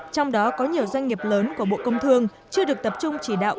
trong đó có nhiều doanh nghiệp lớn của bộ công thương chưa được tập trung chỉ đạo